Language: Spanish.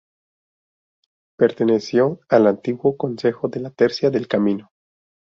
Perteneció al antiguo Concejo de la Tercia del Camino.